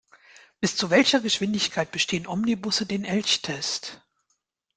Bis zu welcher Geschwindigkeit bestehen Omnibusse den Elchtest?